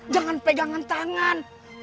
jangan pegangan tangan